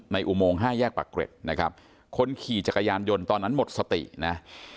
อุโมงห้าแยกปากเกร็ดนะครับคนขี่จักรยานยนต์ตอนนั้นหมดสตินะ